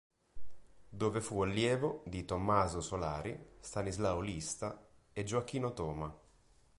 Dove fu allievo di Tommaso Solari, Stanislao Lista e Gioacchino Toma.